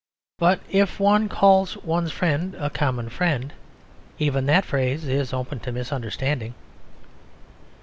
But if one calls one's friend a common friend, even that phrase is open to misunderstanding.